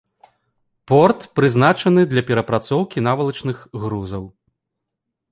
Порт прызначаны для перапрацоўкі навалачных грузаў.